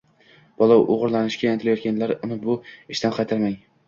bola o‘rganishga intilayotganida uni bu ishidan qaytarmang.